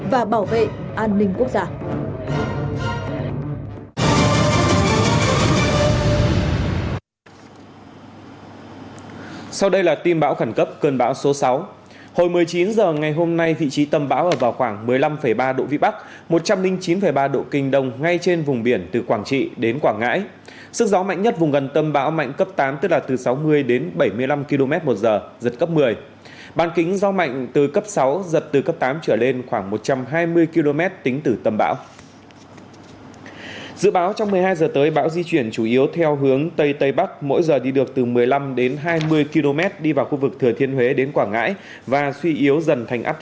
và bảo vệ an ninh quốc gia